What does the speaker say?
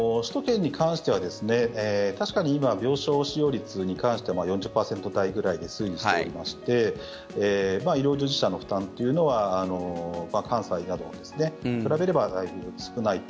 首都圏に関しては確かに今、病床使用率に関しては４０％台ぐらいで推移しておりまして医療従事者の負担というのは関西などに比べればだいぶ少ないと。